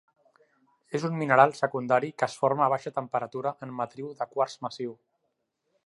És un mineral secundari que es forma a baixa temperatura en matriu de quars massiu.